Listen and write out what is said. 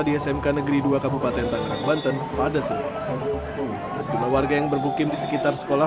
di smk negeri dua kabupaten tangerang banten pada senin sejumlah warga yang bermukim di sekitar sekolah